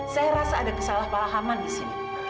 saya rasa ada kesalahpahaman di sini